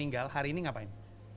meninggal hari ini ngapain